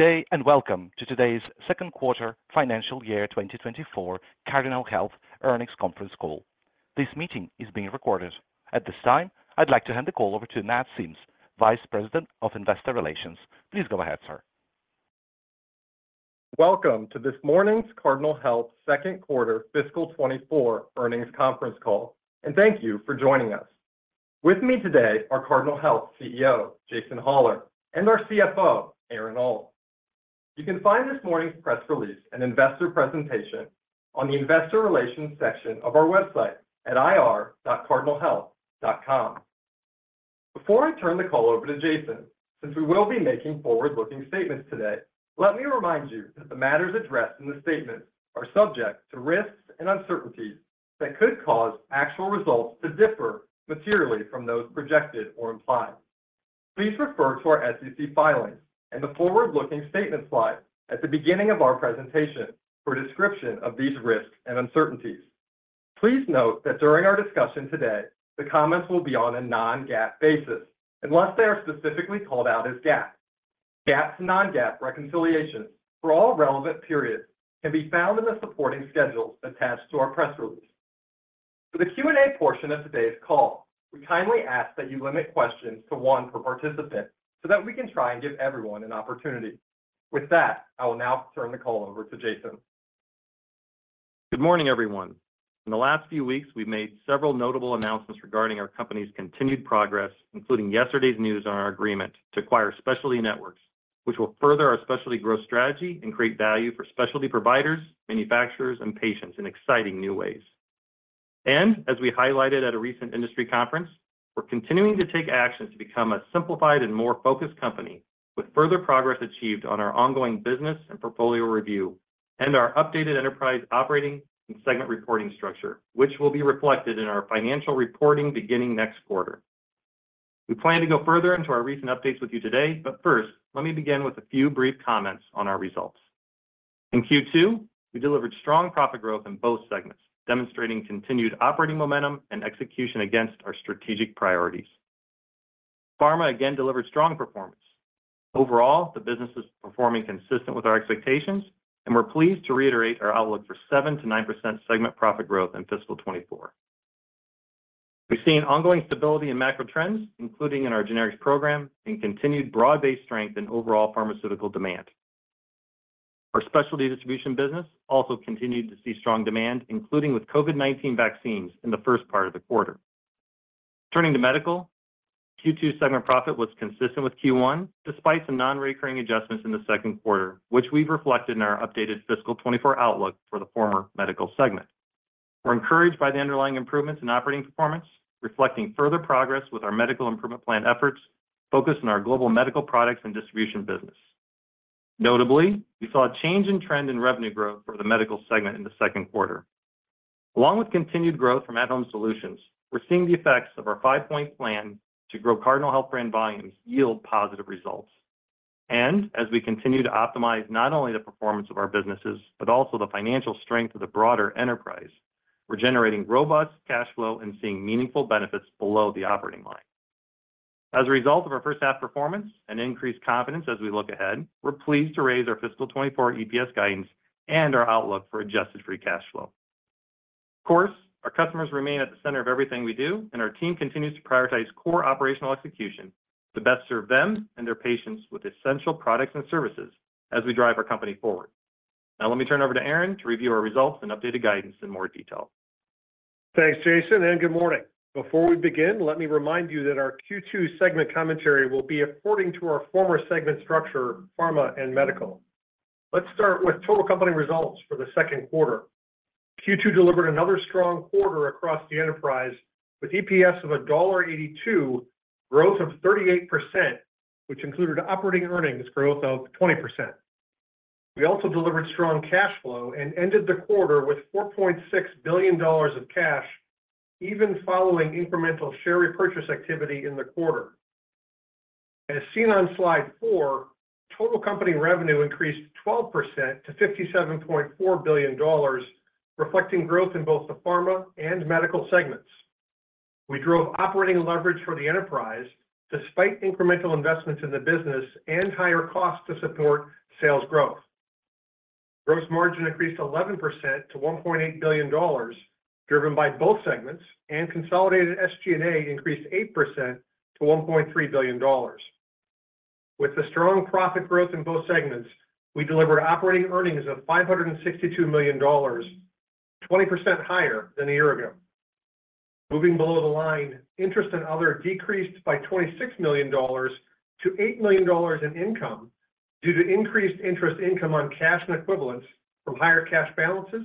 Good day, and welcome to today's second quarter fiscal year 2024 Cardinal Health earnings conference call. This meeting is being recorded. At this time, I'd like to hand the call over to Matt Sims, Vice President of Investor Relations. Please go ahead, sir. Welcome to this morning's Cardinal Health second quarter fiscal 2024 earnings conference call, and thank you for joining us. With me today are Cardinal Health CEO, Jason Hollar, and our CFO, Aaron Alt. You can find this morning's press release and investor presentation on the Investor Relations section of our website at ir.cardinalhealth.com. Before I turn the call over to Jason, since we will be making forward-looking statements today, let me remind you that the matters addressed in the statement are subject to risks and uncertainties that could cause actual results to differ materially from those projected or implied. Please refer to our SEC filings and the forward-looking statement slide at the beginning of our presentation for a description of these risks and uncertainties. Please note that during our discussion today, the comments will be on a non-GAAP basis, unless they are specifically called out as GAAP. GAAP to non-GAAP reconciliations for all relevant periods can be found in the supporting schedules attached to our press release. For the Q&A portion of today's call, we kindly ask that you limit questions to one per participant so that we can try and give everyone an opportunity. With that, I will now turn the call over to Jason. Good morning, everyone. In the last few weeks, we've made several notable announcements regarding our company's continued progress, including yesterday's news on our agreement to acquire Specialty Networks, which will further our specialty growth strategy and create value for specialty providers, manufacturers, and patients in exciting new ways. And as we highlighted at a recent industry conference, we're continuing to take actions to become a simplified and more focused company, with further progress achieved on our ongoing business and portfolio review and our updated enterprise operating and segment reporting structure, which will be reflected in our financial reporting beginning next quarter. We plan to go further into our recent updates with you today, but first, let me begin with a few brief comments on our results. In Q2, we delivered strong profit growth in both segments, demonstrating continued operating momentum and execution against our strategic priorities. Pharma again delivered strong performance. Overall, the business is performing consistent with our expectations, and we're pleased to reiterate our outlook for 7%-9% segment profit growth in fiscal 2024. We've seen ongoing stability in macro trends, including in our generics program and continued broad-based strength in overall pharmaceutical demand. Our specialty distribution business also continued to see strong demand, including with COVID-19 vaccines in the first part of the quarter. Turning to medical, Q2 segment profit was consistent with Q1, despite some non-recurring adjustments in the second quarter, which we've reflected in our updated fiscal 2024 outlook for the former medical segment. We're encouraged by the underlying improvements in operating performance, reflecting further progress with our Medical Improvement Plan efforts focused on our global medical products and distribution business. Notably, we saw a change in trend in revenue growth for the Medical segment in the second quarter. Along with continued growth from at-Home Solutions, we're seeing the effects of our five-point plan to grow Cardinal Health brand volumes yield positive results. As we continue to optimize not only the performance of our businesses, but also the financial strength of the broader enterprise, we're generating robust cash flow and seeing meaningful benefits below the operating line. As a result of our first half performance and increased confidence as we look ahead, we're pleased to raise our fiscal 2024 EPS guidance and our outlook for adjusted free cash flow. Of course, our customers remain at the center of everything we do, and our team continues to prioritize core operational execution to best serve them and their patients with essential products and services as we drive our company forward. Now let me turn over to Aaron to review our results and updated guidance in more detail. Thanks, Jason, and good morning. Before we begin, let me remind you that our Q2 segment commentary will be according to our former segment structure, pharma and medical. Let's start with total company results for the second quarter. Q2 delivered another strong quarter across the enterprise, with EPS of $1.82, growth of 38%, which included operating earnings growth of 20%. We also delivered strong cash flow and ended the quarter with $4.6 billion of cash, even following incremental share repurchase activity in the quarter. As seen on slide 4, total company revenue increased 12% to $57.4 billion, reflecting growth in both the pharma and medical segments. We drove operating leverage for the enterprise despite incremental investments in the business and higher costs to support sales growth. Gross margin increased 11% to $1.8 billion, driven by both segments, and consolidated SG&A increased 8% to $1.3 billion. With the strong profit growth in both segments, we delivered operating earnings of $562 million, 20% higher than a year ago. Moving below the line, Interest and Other decreased by $26 million to $8 million in income due to increased interest income on cash and equivalents from higher cash balances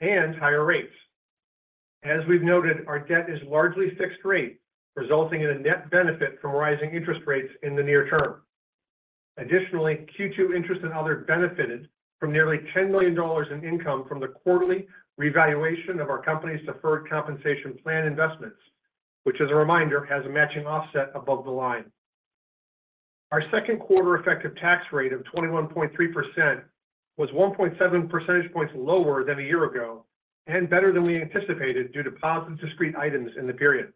and higher rates. As we've noted, our debt is largely fixed rate, resulting in a net benefit from rising interest rates in the near term. Additionally, Q2 Interest and Other benefited from nearly $10 million in income from the quarterly revaluation of our company's deferred compensation plan investments, which, as a reminder, has a matching offset above the line. Our second quarter effective tax rate of 21.3% was 1.7 percentage points lower than a year ago and better than we anticipated due to positive discrete items in the period.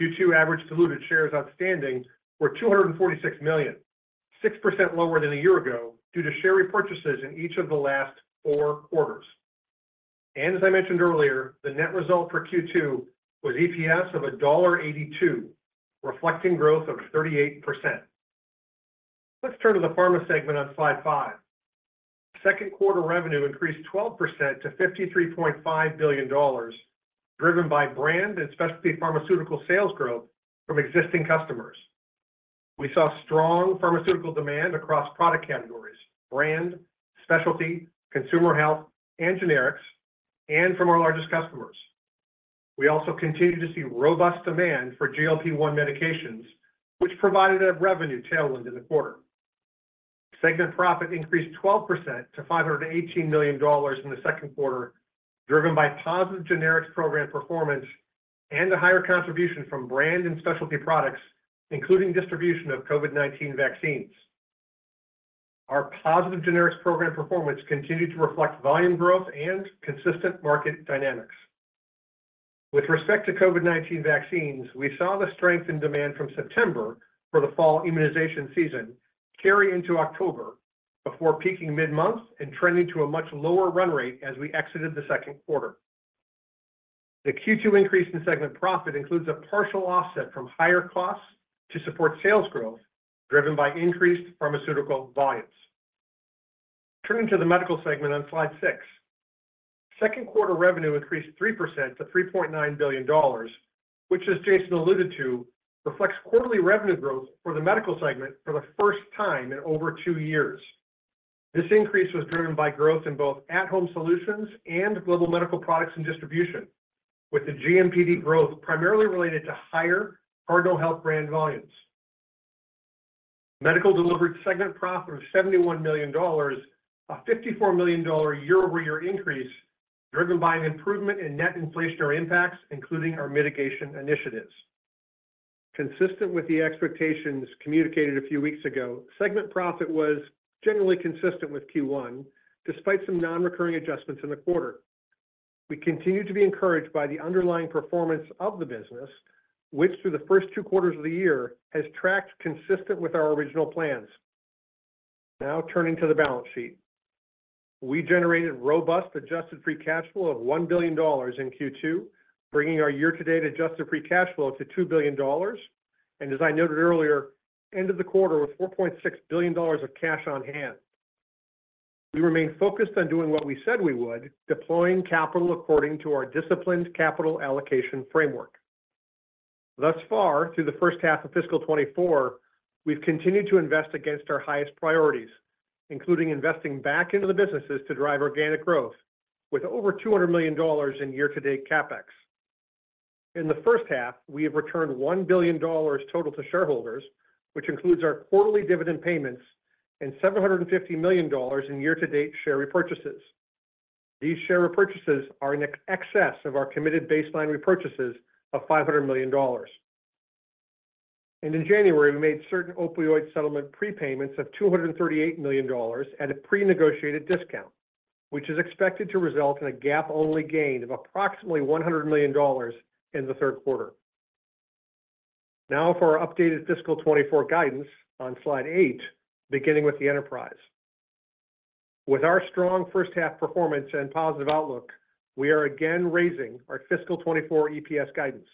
Q2 average diluted shares outstanding were 246 million, 6% lower than a year ago, due to share repurchases in each of the last four quarters. And as I mentioned earlier, the net result for Q2 was EPS of $1.82, reflecting growth of 38%. Let's turn to the pharma segment on slide 5. Second quarter revenue increased 12% to $53.5 billion, driven by brand and specialty pharmaceutical sales growth from existing customers. We saw strong pharmaceutical demand across product categories: brand, specialty, consumer health, and generics, and from our largest customers. We also continued to see robust demand for GLP-1 medications, which provided a revenue tailwind in the quarter. Segment profit increased 12% to $518 million in the second quarter, driven by positive generics program performance and a higher contribution from brand and specialty products, including distribution of COVID-19 vaccines. Our positive generics program performance continued to reflect volume growth and consistent market dynamics. With respect to COVID-19 vaccines, we saw the strength in demand from September for the fall immunization season carry into October, before peaking mid-month and trending to a much lower run rate as we exited the second quarter. The Q2 increase in segment profit includes a partial offset from higher costs to support sales growth, driven by increased pharmaceutical volumes. Turning to the medical segment on slide 6. Second quarter revenue increased 3% to $3.9 billion, which, as Jason alluded to, reflects quarterly revenue growth for the Medical segment for the first time in over two years. This increase was driven by growth in both at-Home Solutions and Global Medical Products and Distribution, with the GMPD growth primarily related to higher Cardinal Health brand volumes. Medical delivered segment profit of $71 million, a $54 million year-over-year increase, driven by an improvement in net inflationary impacts, including our mitigation initiatives. Consistent with the expectations communicated a few weeks ago, segment profit was generally consistent with Q1, despite some non-recurring adjustments in the quarter. We continue to be encouraged by the underlying performance of the business, which through the first two quarters of the year, has tracked consistent with our original plans. Now turning to the balance sheet. We generated robust adjusted free cash flow of $1 billion in Q2, bringing our year-to-date adjusted free cash flow to $2 billion. And as I noted earlier, end of the quarter was $4.6 billion of cash on hand. We remain focused on doing what we said we would, deploying capital according to our disciplined capital allocation framework. Thus far, through the first half of fiscal 2024, we've continued to invest against our highest priorities, including investing back into the businesses to drive organic growth with over $200 million in year-to-date CapEx. In the first half, we have returned $1 billion total to shareholders, which includes our quarterly dividend payments and $750 million in year-to-date share repurchases. These share repurchases are in excess of our committed baseline repurchases of $500 million. In January, we made certain opioid settlement prepayments of $238 million at a pre-negotiated discount, which is expected to result in a GAAP-only gain of approximately $100 million in the third quarter. Now for our updated fiscal 2024 guidance on slide 8, beginning with the enterprise. With our strong first half performance and positive outlook, we are again raising our fiscal 2024 EPS guidance.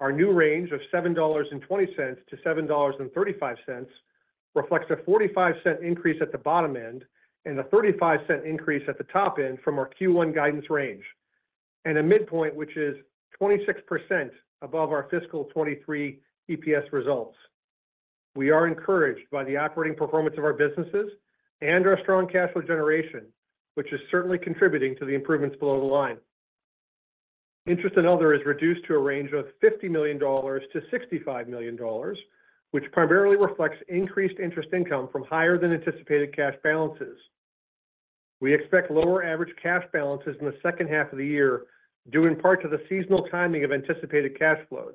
Our new range of $7.20-$7.35 reflects a 45-cent increase at the bottom end and a 35-cent increase at the top end from our Q1 guidance range, and a midpoint, which is 26% above our fiscal 2023 EPS results. We are encouraged by the operating performance of our businesses and our strong cash flow generation, which is certainly contributing to the improvements below the line. Interest and other is reduced to a range of $50 million-$65 million, which primarily reflects increased interest income from higher than anticipated cash balances. We expect lower average cash balances in the second half of the year, due in part to the seasonal timing of anticipated cash flows.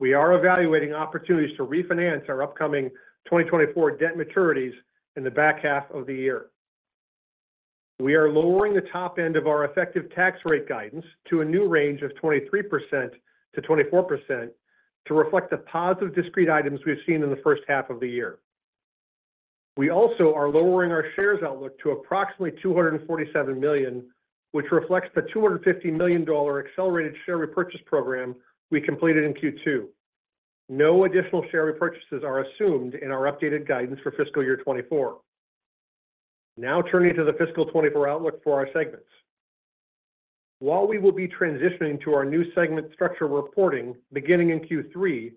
We are evaluating opportunities to refinance our upcoming 2024 debt maturities in the back half of the year. We are lowering the top end of our effective tax rate guidance to a new range of 23%-24% to reflect the positive discrete items we've seen in the first half of the year. We also are lowering our shares outlook to approximately 247 million, which reflects the $250 million accelerated share repurchase program we completed in Q2. No additional share repurchases are assumed in our updated guidance for fiscal year 2024. Now turning to the fiscal 2024 outlook for our segments. While we will be transitioning to our new segment structure reporting beginning in Q3,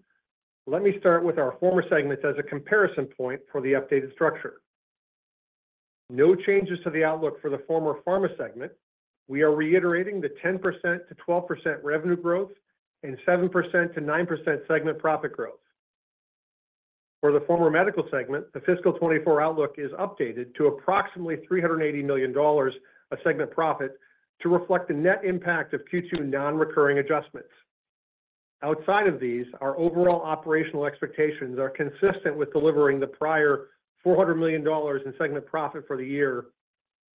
let me start with our former segments as a comparison point for the updated structure. No changes to the outlook for the former pharma segment. We are reiterating the 10%-12% revenue growth and 7%-9% segment profit growth. For the former medical segment, the fiscal 2024 outlook is updated to approximately $380 million of segment profit to reflect the net impact of Q2 non-recurring adjustments. Outside of these, our overall operational expectations are consistent with delivering the prior $400 million in segment profit for the year.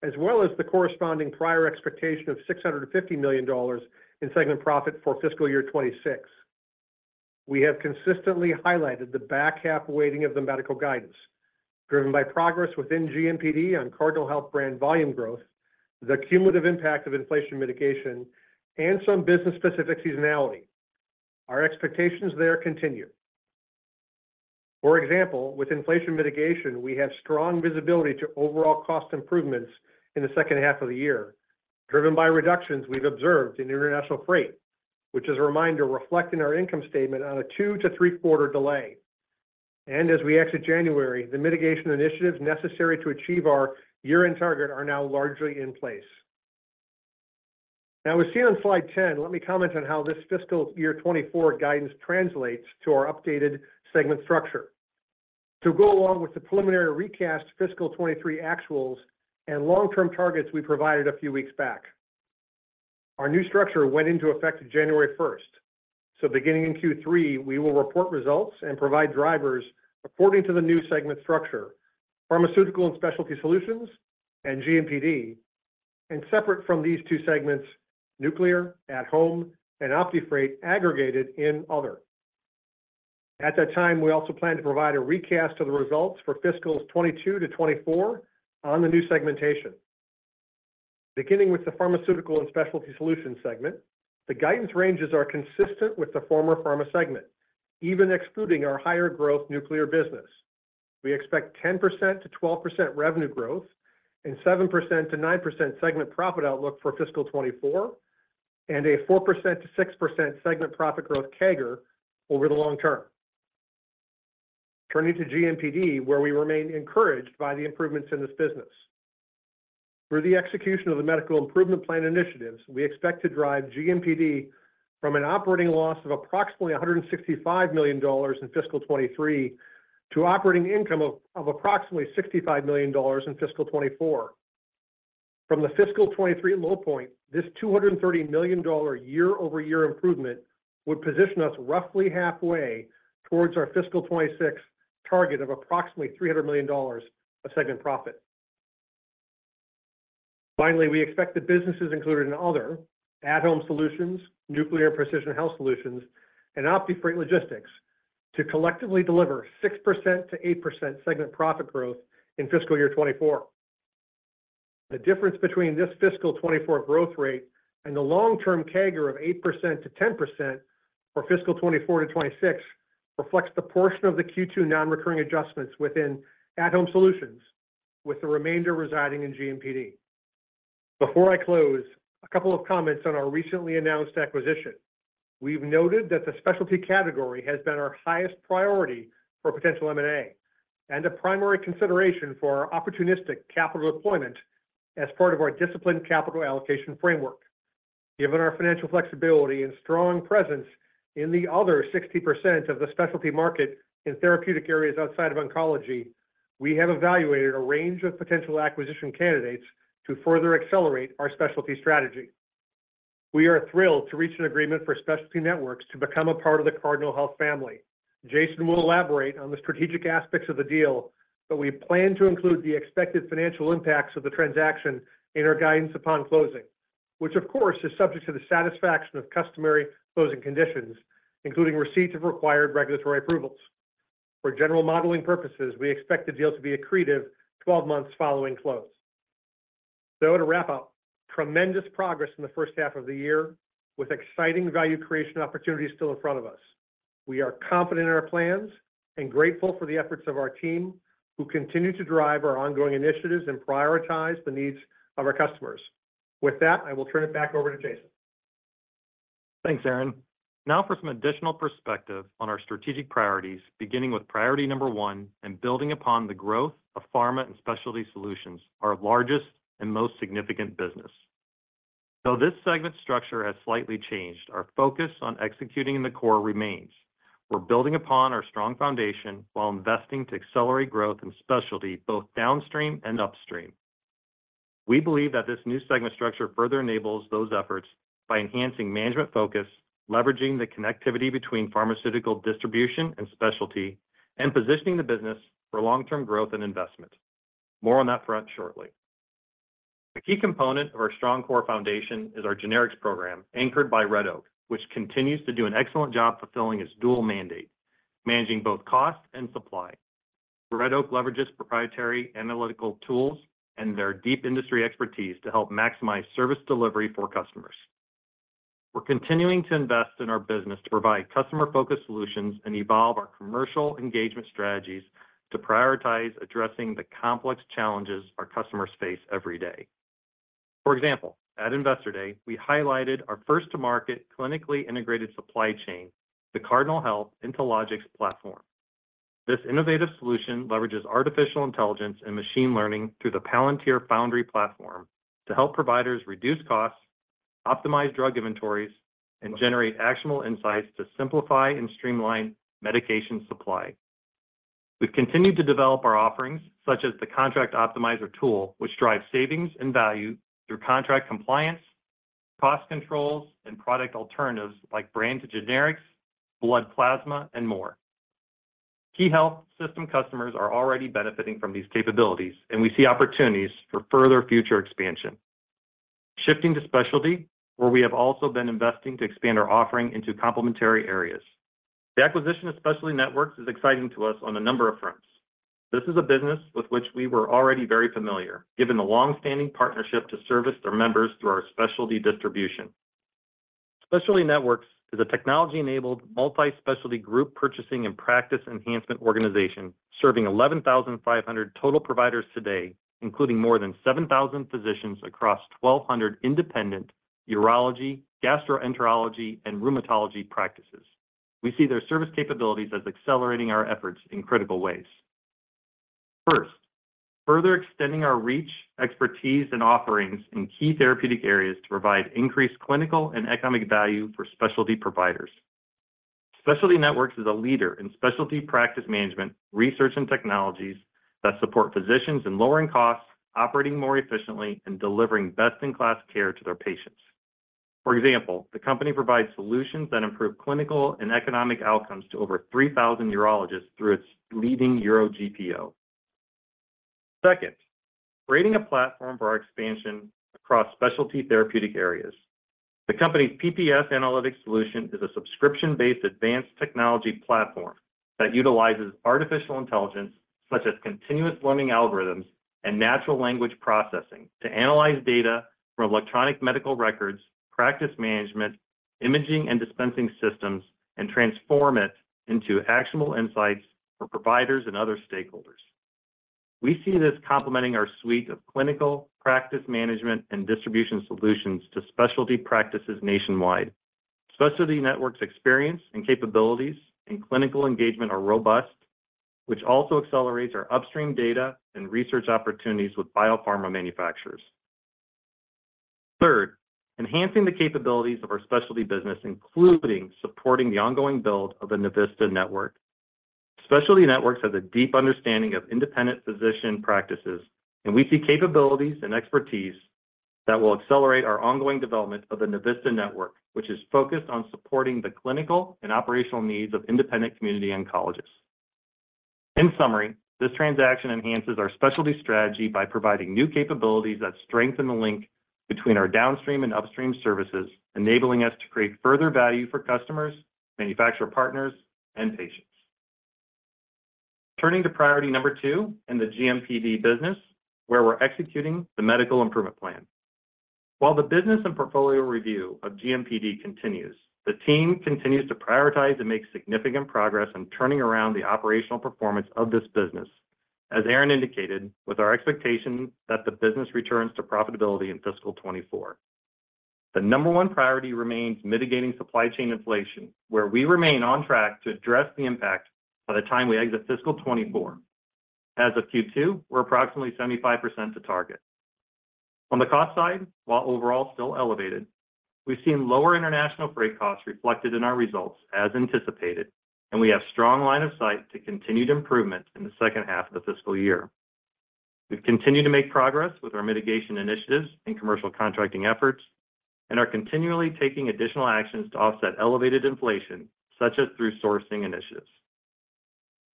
As well as the corresponding prior expectation of $650 million in segment profit for fiscal year 2026. We have consistently highlighted the back half weighting of the medical guidance, driven by progress within GMPD on Cardinal Health brand volume growth, the cumulative impact of inflation mitigation, and some business-specific seasonality. Our expectations there continue. For example, with inflation mitigation, we have strong visibility to overall cost improvements in the second half of the year, driven by reductions we've observed in international freight, which is a reminder reflected in our income statement on a two- to three-quarter delay. And as we exit January, the mitigation initiatives necessary to achieve our year-end target are now largely in place. Now, as seen on slide 10, let me comment on how this fiscal year 2024 guidance translates to our updated segment structure. To go along with the preliminary recast fiscal 2023 actuals and long-term targets we provided a few weeks back, our new structure went into effect January first. So beginning in Q3, we will report results and provide drivers according to the new segment structure, Pharmaceutical and Specialty Solutions and GMPD, and separate from these two segments, Nuclear, At-Home, and OptiFreight aggregated in Other. At that time, we also plan to provide a recast of the results for fiscals 2022 to 2024 on the new segmentation. Beginning with the Pharmaceutical and Specialty Solutions segment, the guidance ranges are consistent with the former pharma segment, even excluding our higher growth nuclear business. We expect 10%-12% revenue growth and 7%-9% segment profit outlook for fiscal 2024, and a 4%-6% segment profit growth CAGR over the long term. Turning to GMPD, where we remain encouraged by the improvements in this business. Through the execution of the Medical Improvement Plan initiatives, we expect to drive GMPD from an operating loss of approximately $165 million in fiscal 2023, to operating income of approximately $65 million in fiscal 2024. From the fiscal 2023 low point, this $230 million year-over-year improvement would position us roughly halfway towards our fiscal 2026 target of approximately $300 million of segment profit. Finally, we expect the businesses included in Other, at-Home Solutions, Nuclear and Precision Health Solutions, and OptiFreight Logistics, to collectively deliver 6%-8% segment profit growth in fiscal year 2024. The difference between this fiscal 2024 growth rate and the long-term CAGR of 8%-10% for fiscal 2024-2026 reflects the portion of the Q2 non-recurring adjustments within at-Home Solutions, with the remainder residing in GMPD. Before I close, a couple of comments on our recently announced acquisition. We've noted that the specialty category has been our highest priority for potential M&A, and a primary consideration for our opportunistic capital deployment as part of our disciplined capital allocation framework. Given our financial flexibility and strong presence in the other 60% of the specialty market in therapeutic areas outside of oncology, we have evaluated a range of potential acquisition candidates to further accelerate our specialty strategy. We are thrilled to reach an agreement for Specialty Networks to become a part of the Cardinal Health family. Jason will elaborate on the strategic aspects of the deal, but we plan to include the expected financial impacts of the transaction in our guidance upon closing, which of course, is subject to the satisfaction of customary closing conditions, including receipt of required regulatory approvals. For general modeling purposes, we expect the deal to be accretive 12 months following close. So to wrap up, tremendous progress in the first half of the year, with exciting value creation opportunities still in front of us. We are confident in our plans and grateful for the efforts of our team, who continue to drive our ongoing initiatives and prioritize the needs of our customers. With that, I will turn it back over to Jason. Thanks, Aaron. Now for some additional perspective on our strategic priorities, beginning with priority number one and building upon the growth of Pharma and Specialty Solutions, our largest and most significant business. Though this segment structure has slightly changed, our focus on executing in the core remains. We're building upon our strong foundation while investing to accelerate growth and specialty, both downstream and upstream. We believe that this new segment structure further enables those efforts by enhancing management focus, leveraging the connectivity between pharmaceutical distribution and specialty, and positioning the business for long-term growth and investment. More on that front shortly. A key component of our strong core foundation is our generics program, anchored by Red Oak, which continues to do an excellent job fulfilling its dual mandate: managing both cost and supply. Red Oak leverages proprietary analytical tools and their deep industry expertise to help maximize service delivery for customers. We're continuing to invest in our business to provide customer-focused solutions and evolve our commercial engagement strategies to prioritize addressing the complex challenges our customers face every day. For example, at Investor Day, we highlighted our first-to-market, clinically integrated supply chain, the Cardinal Health InteLogix platform. This innovative solution leverages artificial intelligence and machine learning through the Palantir Foundry platform to help providers reduce costs, optimize drug inventories, and generate actionable insights to simplify and streamline medication supply. We've continued to develop our offerings, such as the Contract Optimizer tool, which drives savings and value through contract compliance, cost controls, and product alternatives like brand to generics, blood plasma, and more. Key health system customers are already benefiting from these capabilities, and we see opportunities for further future expansion. Shifting to specialty, where we have also been investing to expand our offering into complementary areas. The acquisition of Specialty Networks is exciting to us on a number of fronts. This is a business with which we were already very familiar, given the long-standing partnership to service their members through our specialty distribution. Specialty Networks is a technology-enabled, multi-specialty group purchasing and practice enhancement organization serving 11,500 total providers today, including more than 7,000 physicians across 1,200 independent urology, gastroenterology, and rheumatology practices. We see their service capabilities as accelerating our efforts in critical ways. First, further extending our reach, expertise, and offerings in key therapeutic areas to provide increased clinical and economic value for specialty providers. Specialty Networks is a leader in specialty practice management, research, and technologies that support physicians in lowering costs, operating more efficiently, and delivering best-in-class care to their patients. For example, the company provides solutions that improve clinical and economic outcomes to over 3,000 urologists through its leading UroGPO. Second, creating a platform for our expansion across specialty therapeutic areas. The company's PPS Analytics solution is a subscription-based advanced technology platform that utilizes artificial intelligence, such as continuous learning algorithms and natural language processing, to analyze data from electronic medical records, practice management, imaging and dispensing systems, and transform it into actionable insights for providers and other stakeholders. We see this complementing our suite of clinical, practice management, and distribution solutions to specialty practices nationwide. Specialty Networks' experience and capabilities in clinical engagement are robust, which also accelerates our upstream data and research opportunities with biopharma manufacturers. Third, enhancing the capabilities of our specialty business, including supporting the ongoing build of the Navista Network. Specialty Networks has a deep understanding of independent physician practices, and we see capabilities and expertise that will accelerate our ongoing development of the Navista Network, which is focused on supporting the clinical and operational needs of independent community oncologists. In summary, this transaction enhances our specialty strategy by providing new capabilities that strengthen the link between our downstream and upstream services, enabling us to create further value for customers, manufacturer partners, and patients. Turning to priority number two in the GMPD business, where we're executing the Medical Improvement Plan. While the business and portfolio review of GMPD continues, the team continues to prioritize and make significant progress in turning around the operational performance of this business. As Aaron indicated, with our expectation that the business returns to profitability in fiscal 2024. The number one priority remains mitigating supply chain inflation, where we remain on track to address the impact by the time we exit fiscal 2024. As of Q2, we're approximately 75% to target. On the cost side, while overall still elevated, we've seen lower international freight costs reflected in our results, as anticipated, and we have strong line of sight to continued improvement in the second half of the fiscal year. We've continued to make progress with our mitigation initiatives and commercial contracting efforts and are continually taking additional actions to offset elevated inflation, such as through sourcing initiatives.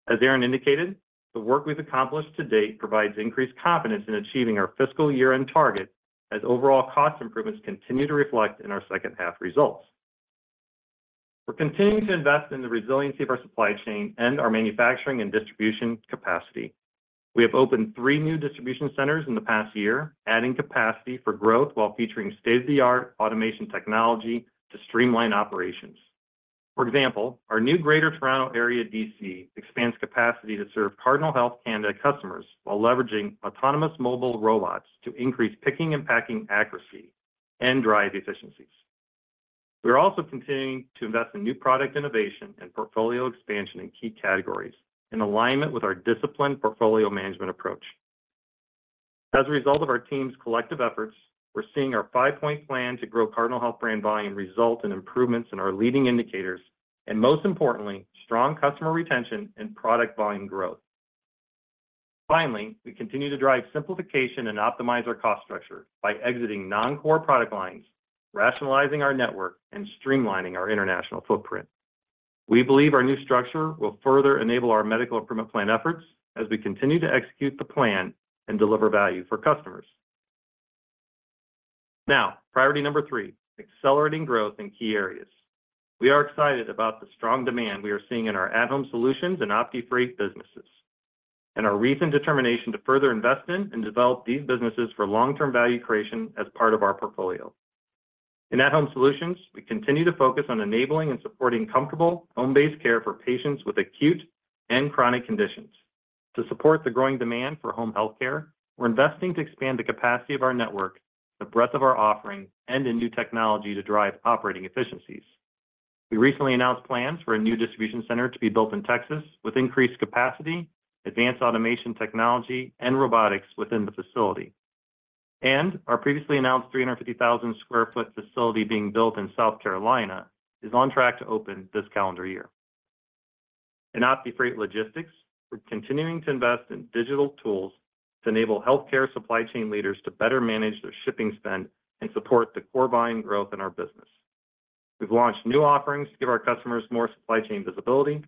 As Aaron indicated, the work we've accomplished to date provides increased confidence in achieving our fiscal year-end target, as overall cost improvements continue to reflect in our second-half results. We're continuing to invest in the resiliency of our supply chain and our manufacturing and distribution capacity. We have opened three new distribution centers in the past year, adding capacity for growth while featuring state-of-the-art automation technology to streamline operations. For example, our new Greater Toronto Area DC expands capacity to serve Cardinal Health Canada customers while leveraging autonomous mobile robots to increase picking and packing accuracy and drive efficiencies. We are also continuing to invest in new product innovation and portfolio expansion in key categories, in alignment with our disciplined portfolio management approach. As a result of our team's collective efforts, we're seeing our five-point plan to grow Cardinal Health brand volume result in improvements in our leading indicators, and most importantly, strong customer retention and product volume growth. Finally, we continue to drive simplification and optimize our cost structure by exiting non-core product lines, rationalizing our network, and streamlining our international footprint. We believe our new structure will further enable our Medical Improvement Plan efforts as we continue to execute the plan and deliver value for customers. Now, priority number three: accelerating growth in key areas. We are excited about the strong demand we are seeing in our at-Home Solutions and OptiFreight businesses, and our recent determination to further invest in and develop these businesses for long-term value creation as part of our portfolio. In at-Home Solutions, we continue to focus on enabling and supporting comfortable, home-based care for patients with acute and chronic conditions. To support the growing demand for home healthcare, we're investing to expand the capacity of our network, the breadth of our offering, and in new technology to drive operating efficiencies. We recently announced plans for a new distribution center to be built in Texas, with increased capacity, advanced automation technology, and robotics within the facility. Our previously announced 350,000 sq ft facility being built in South Carolina is on track to open this calendar year. In OptiFreight Logistics, we're continuing to invest in digital tools to enable healthcare supply chain leaders to better manage their shipping spend and support the core volume growth in our business. We've launched new offerings to give our customers more supply chain visibility,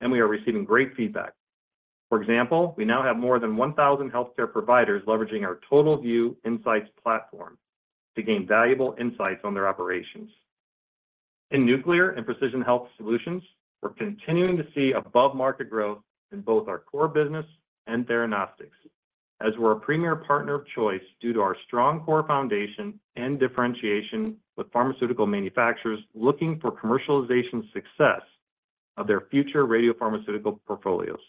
and we are receiving great feedback. For example, we now have more than 1,000 healthcare providers leveraging our TotalVue Insights platform to gain valuable insights on their operations. In Nuclear and Precision Health Solutions, we're continuing to see above-market growth in both our core business and theranostics, as we're a premier partner of choice due to our strong core foundation and differentiation with pharmaceutical manufacturers looking for commercialization success of their future radiopharmaceutical portfolios.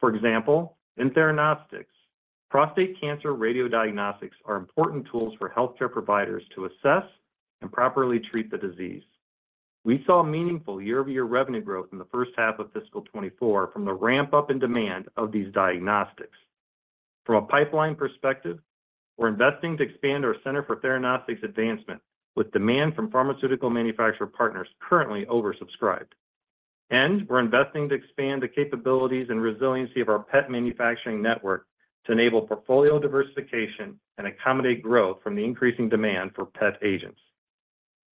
For example, in Theranostics, prostate cancer radiodiagnostics are important tools for healthcare providers to assess and properly treat the disease. We saw meaningful year-over-year revenue growth in the first half of fiscal 2024 from the ramp-up in demand of these diagnostics. From a pipeline perspective, we're investing to expand our Center for Theranostics Advancement, with demand from pharmaceutical manufacturer partners currently oversubscribed. We're investing to expand the capabilities and resiliency of our PET manufacturing network to enable portfolio diversification and accommodate growth from the increasing demand for PET agents.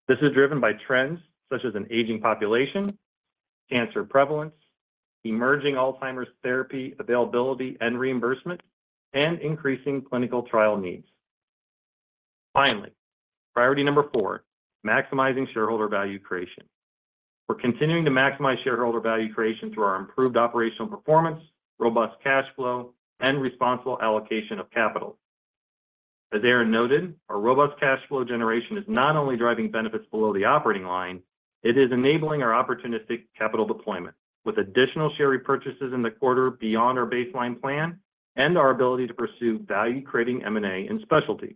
This is driven by trends such as an aging population, cancer prevalence, emerging Alzheimer's therapy availability and reimbursement, and increasing clinical trial needs. Finally, priority number 4: maximizing shareholder value creation. We're continuing to maximize shareholder value creation through our improved operational performance, robust cash flow, and responsible allocation of capital. As Aaron noted, our robust cash flow generation is not only driving benefits below the operating line, it is enabling our opportunistic capital deployment, with additional share repurchases in the quarter beyond our baseline plan and our ability to pursue value-creating M&A in specialty.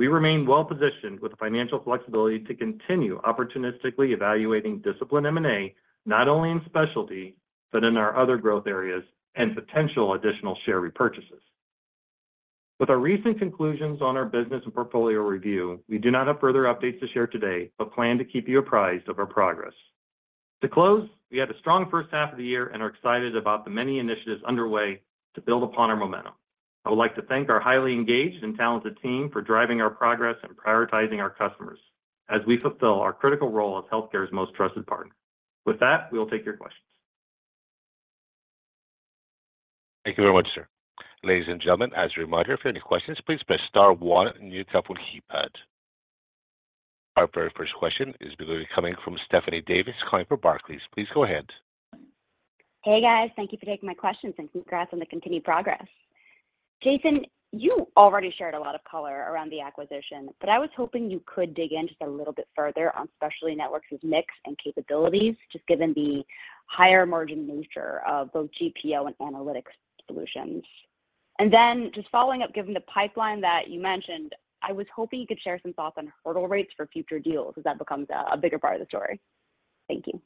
We remain well positioned with financial flexibility to continue opportunistically evaluating disciplined M&A, not only in specialty, but in our other growth areas and potential additional share repurchases. With our recent conclusions on our business and portfolio review, we do not have further updates to share today, but plan to keep you apprised of our progress. To close, we had a strong first half of the year and are excited about the many initiatives underway to build upon our momentum. I would like to thank our highly engaged and talented team for driving our progress and prioritizing our customers as we fulfill our critical role as healthcare's most trusted partner. With that, we will take your questions. Thank you very much, sir. Ladies and gentlemen, as a reminder, if you have any questions, please press star one on your telephone keypad. Our very first question is going to be coming from Stephanie Davis calling for Barclays. Please go ahead. Hey, guys. Thank you for taking my questions, and congrats on the continued progress. Jason, you already shared a lot of color around the acquisition, but I was hoping you could dig in just a little bit further on Specialty Networks' mix and capabilities, just given the higher margin nature of both GPO and analytics solutions. And then just following up, given the pipeline that you mentioned, I was hoping you could share some thoughts on hurdle rates for future deals, as that becomes a bigger part of the story. Thank you.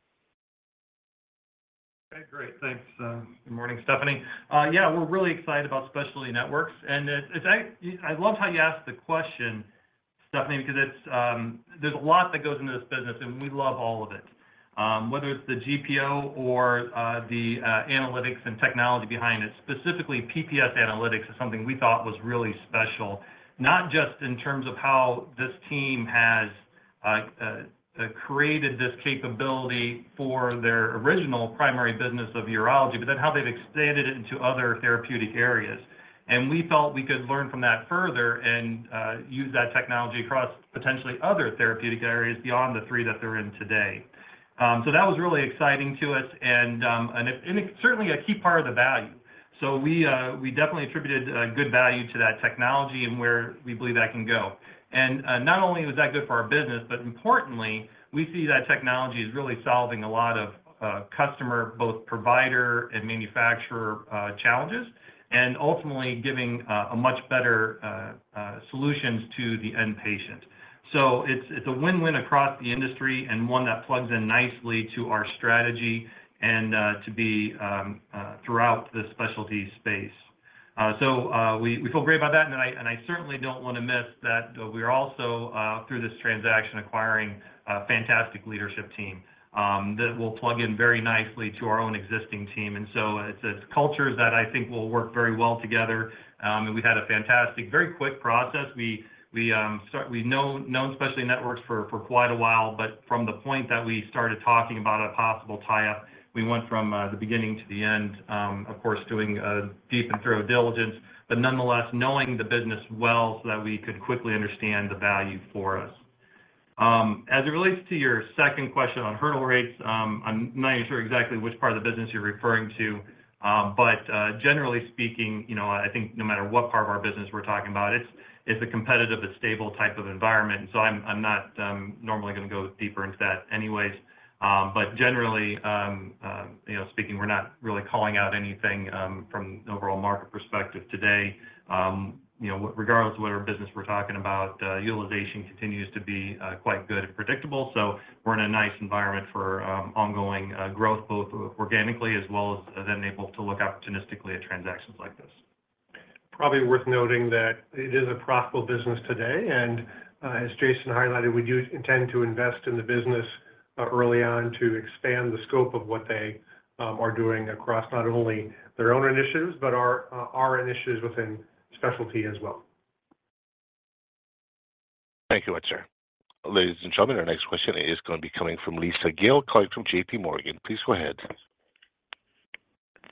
Okay, great. Thanks. Good morning, Stephanie. Yeah, we're really excited about Specialty Networks, and I love how you asked the question, Stephanie, because it's... There's a lot that goes into this business, and we love all of it. Whether it's the GPO or the analytics and technology behind it, specifically, PPS Analytics is something we thought was really special, not just in terms of how this team has created this capability for their original primary business of urology, but then how they've expanded it into other therapeutic areas. And we felt we could learn from that further and use that technology across potentially other therapeutic areas beyond the three that they're in today. So that was really exciting to us and it, and it's certainly a key part of the value. We definitely attributed good value to that technology and where we believe that can go. Not only was that good for our business, but importantly, we see that technology as really solving a lot of customer both provider and manufacturer challenges, and ultimately giving a much better solutions to the end patient. It's a win-win across the industry and one that plugs in nicely to our strategy and to be throughout the specialty space. We feel great about that, and I certainly don't want to miss that we are also through this transaction acquiring a fantastic leadership team that will plug in very nicely to our own existing team. It's cultures that I think will work very well together. And we've had a fantastic, very quick process. We've known Specialty Networks for quite a while, but from the point that we started talking about a possible tie-up, we went from the beginning to the end, of course, doing a deep and thorough diligence, but nonetheless, knowing the business well so that we could quickly understand the value for us. As it relates to your second question on hurdle rates, I'm not sure exactly which part of the business you're referring to, but generally speaking, you know, I think no matter what part of our business we're talking about, it's a competitive but stable type of environment, and so I'm not normally going to go deeper into that anyways. But generally, you know, speaking, we're not really calling out anything from an overall market perspective today. You know, regardless of what business we're talking about, utilization continues to be quite good and predictable. So we're in a nice environment for ongoing growth, both organically as well as then able to look opportunistically at transactions like this. Probably worth noting that it is a profitable business today, and as Jason highlighted, we do intend to invest in the business early on to expand the scope of what they are doing across not only their own initiatives, but our initiatives within specialty as well. Thank you much, sir. Ladies and gentlemen, our next question is going to be coming from Lisa Gill, calling from JP Morgan. Please go ahead.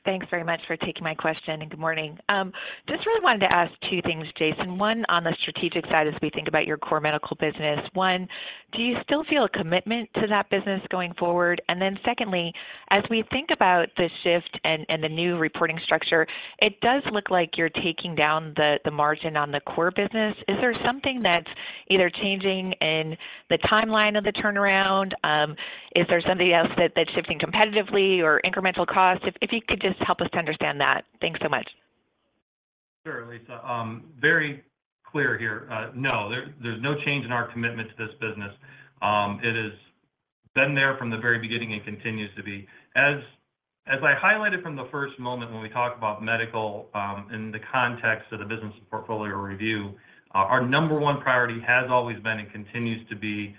Thanks very much for taking my question, and good morning. Just really wanted to ask two things, Jason. One, on the strategic side, as we think about your core medical business, one, do you still feel a commitment to that business going forward? And then secondly, as we think about the shift and the new reporting structure, it does look like you're taking down the margin on the core business. Is there something that's either changing in the timeline of the turnaround? Is there something else that's shifting competitively or incremental costs? If you could just help us to understand that. Thanks so much. Sure, Lisa. Very clear here. No, there's no change in our commitment to this business. It has been there from the very beginning and continues to be. As I highlighted from the first moment when we talked about medical, in the context of the business portfolio review, our number one priority has always been and continues to be,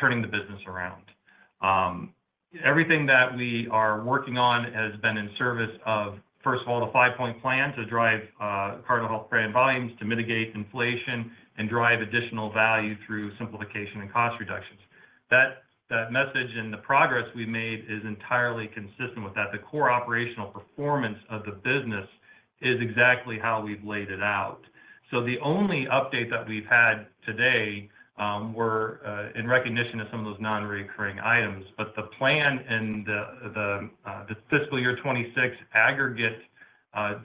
turning the business around. Everything that we are working on has been in service of, first of all, the five-point plan to drive, Cardinal Health brand volumes, to mitigate inflation, and drive additional value through simplification and cost reductions. That message and the progress we've made is entirely consistent with that. The core operational performance of the business is exactly how we've laid it out. So the only update that we've had today in recognition of some of those nonrecurring items. But the plan and the fiscal year 2026 aggregate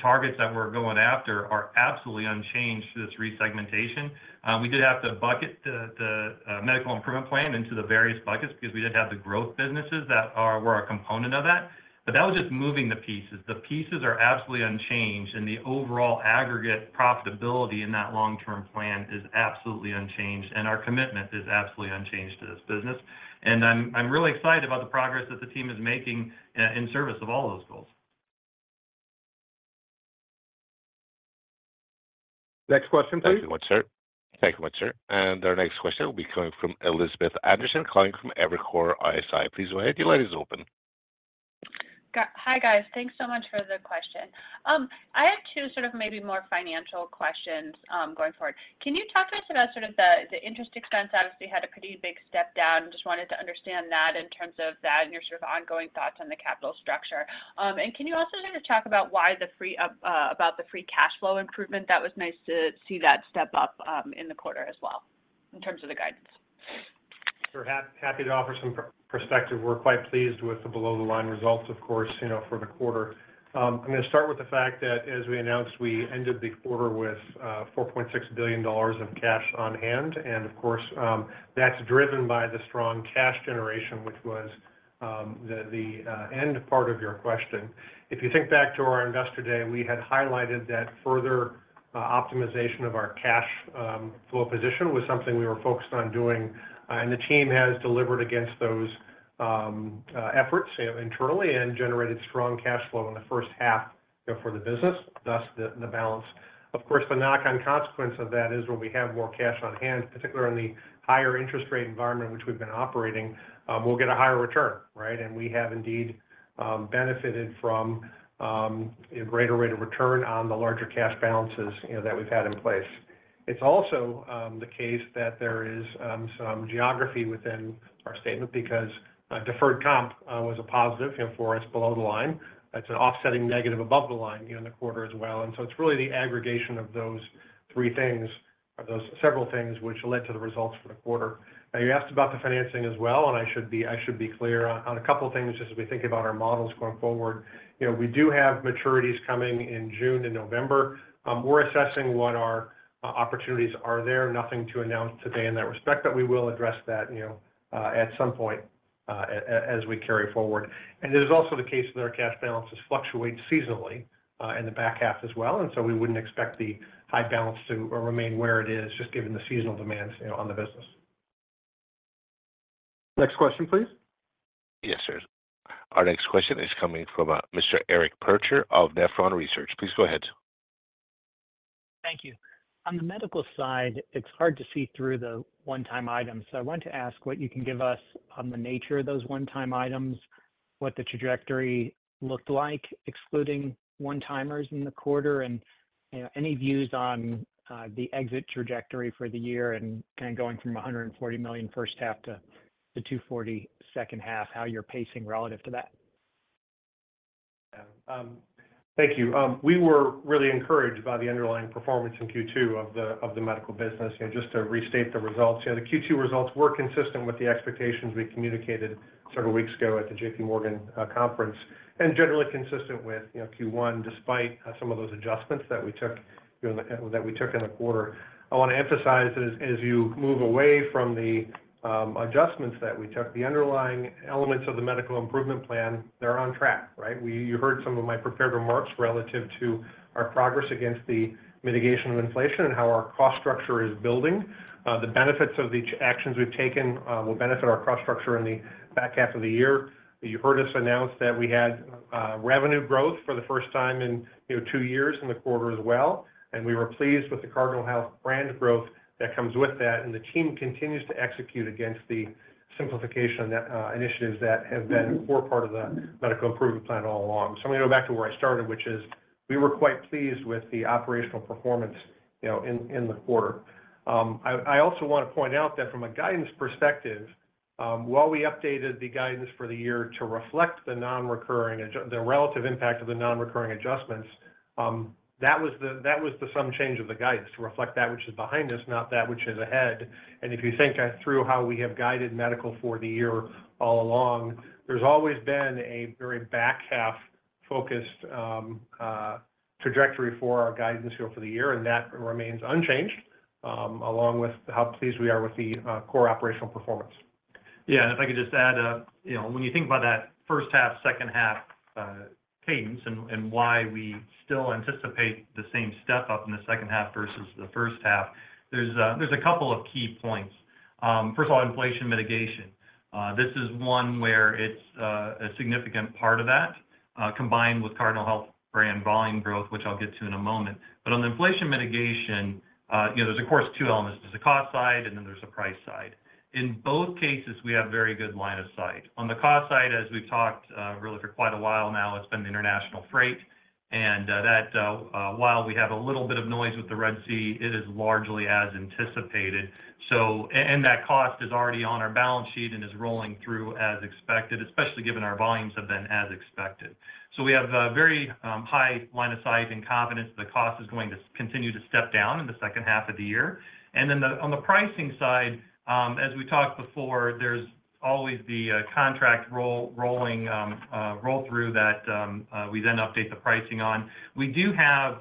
targets that we're going after are absolutely unchanged to this resegmentation. We did have to bucket the Medical Improvement Plan into the various buckets because we did have the growth businesses that are a component of that, but that was just moving the pieces. The pieces are absolutely unchanged, and the overall aggregate profitability in that long-term plan is absolutely unchanged, and our commitment is absolutely unchanged to this business. And I'm really excited about the progress that the team is making in service of all those goals. Next question, please. Thank you much, sir. Thank you much, sir. Our next question will be coming from Elizabeth Anderson, calling from Evercore ISI. Please go ahead, your line is open. Hi, guys. Thanks so much for the question. I have two sort of maybe more financial questions going forward. Can you talk to us about sort of the interest expense? Obviously, you had a pretty big step down. Just wanted to understand that in terms of that and your sort of ongoing thoughts on the capital structure. And can you also kind of talk about why the free cash flow improvement? That was nice to see that step up in the quarter as well, in terms of the guidance. Sure. Happy to offer some perspective. We're quite pleased with the below-the-line results, of course, you know, for the quarter. I'm going to start with the fact that, as we announced, we ended the quarter with $4.6 billion of cash on hand. And of course, that's driven by the strong cash generation, which was the end part of your question. If you think back to our Investor Day, we had highlighted that further optimization of our cash flow position was something we were focused on doing, and the team has delivered against those efforts, you know, internally and generated strong cash flow in the first half, you know, for the business, thus the balance. Of course, the knock-on consequence of that is when we have more cash on hand, particularly in the higher interest rate environment, which we've been operating, we'll get a higher return, right? And we have indeed benefited from a greater rate of return on the larger cash balances, you know, that we've had in place. It's also the case that there is some geography within our statement because deferred comp was a positive, you know, for us below the line. It's an offsetting negative above the line, you know, in the quarter as well, and so it's really the aggregation of those three things or those several things which led to the results for the quarter. Now, you asked about the financing as well, and I should be, I should be clear on, on a couple of things as we think about our models going forward. You know, we do have maturities coming in June and November. We're assessing what our opportunities are there. Nothing to announce today in that respect, but we will address that, you know, as we carry forward. It is also the case that our cash balances fluctuate seasonally in the back half as well, and so we wouldn't expect the high balance to remain where it is, just given the seasonal demands, you know, on the business. Next question, please. Yes, sir. Our next question is coming from Mr. Eric Percher of Nephron Research. Please go ahead. Thank you. On the medical side, it's hard to see through the one-time items. So I want to ask what you can give us on the nature of those one-time items, what the trajectory looked like, excluding one-timers in the quarter, and, you know, any views on the exit trajectory for the year and kind of going from $140 million first half to the $240 million second half, how you're pacing relative to that? Yeah, thank you. We were really encouraged by the underlying performance in Q2 of the medical business. You know, just to restate the results, you know, the Q2 results were consistent with the expectations we communicated several weeks ago at the JP Morgan conference, and generally consistent with, you know, Q1, despite some of those adjustments that we took in the quarter. I want to emphasize that as you move away from the adjustments that we took, the underlying elements of the Medical Improvement Plan, they're on track, right? You heard some of my prepared remarks relative to our progress against the mitigation of inflation and how our cost structure is building. The benefits of each actions we've taken will benefit our cost structure in the back half of the year. You heard us announce that we had revenue growth for the first time in, you know, two years in the quarter as well, and we were pleased with the Cardinal Health brand growth that comes with that. And the team continues to execute against the simplification initiatives that have been a core part of the Medical Improvement Plan all along. So I'm going to go back to where I started, which is we were quite pleased with the operational performance, you know, in the quarter. I also want to point out that from a guidance perspective. While we updated the guidance for the year to reflect the relative impact of the non-recurring adjustments, that was the only change of the guidance to reflect that which is behind us, not that which is ahead. If you think through how we have guided medical for the year all along, there's always been a very back-half focused trajectory for our guidance here for the year, and that remains unchanged, along with how pleased we are with the core operational performance. Yeah, and if I could just add, you know, when you think about that first half, second half cadence and why we still anticipate the same step up in the second half versus the first half, there's a couple of key points. First of all, inflation mitigation. This is one where it's a significant part of that, combined with Cardinal Health brand volume growth, which I'll get to in a moment. But on the inflation mitigation, you know, there's, of course, two elements. There's a cost side, and then there's a price side. In both cases, we have very good line of sight. On the cost side, as we've talked, really for quite a while now, it's been the international freight, and that, while we have a little bit of noise with the Red Sea, it is largely as anticipated. So and that cost is already on our balance sheet and is rolling through as expected, especially given our volumes have been as expected. So we have a very high line of sight and confidence the cost is going to continue to step down in the second half of the year. And then on the pricing side, as we talked before, there's always the contract roll, rolling, roll-through that we then update the pricing on. We do have,